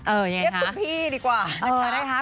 เรียกคุณพี่ดีกว่านะคะ